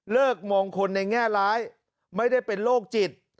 มองคนในแง่ร้ายไม่ได้เป็นโรคจิต